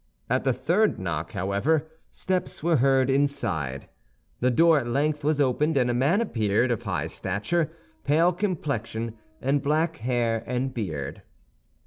At the third knock, however, steps were heard inside. The door at length was opened, and a man appeared, of high stature, pale complexion, and black hair and beard.